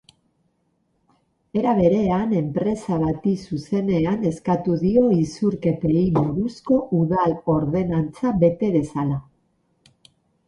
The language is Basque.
Era berean, enpresa bati zuzenean eskatu dio isurketei buruzko udal-ordenantza bete dezala.